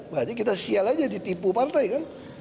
berarti kita sial aja ditipu partai kan